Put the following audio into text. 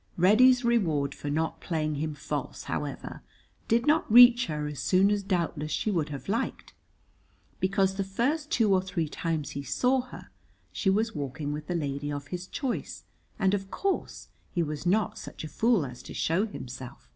Reddy's reward for not playing him false, however, did not reach her as soon as doubtless she would have liked, because the first two or three times he saw her she was walking with the lady of his choice, and of course he was not such a fool as to show himself.